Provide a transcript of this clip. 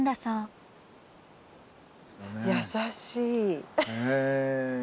優しい。